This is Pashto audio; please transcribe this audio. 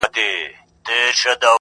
ارمان به وکړې وخت به تېر وي!!